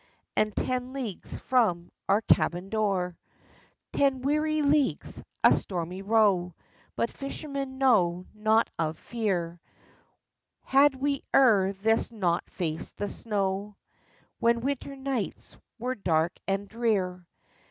And ten leagues from our cabin door ! Ten weary leagues — a stormy row ! But fishermen know naught of fear ; Had we ere this not faced the snow When winter nights were dark and drear